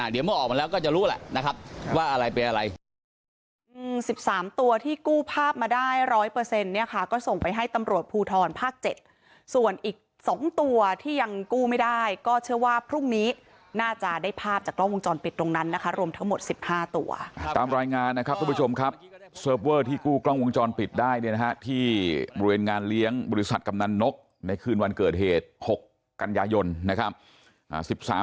เดี๋ยวเมื่อออกมาแล้วก็จะรู้แหละนะครับว่าอะไรเป็นอะไร